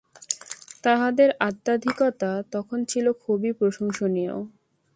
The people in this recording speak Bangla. তাঁহাদের আধ্যাত্মিকতা তখন ছিল খুবই প্রশংসনীয়।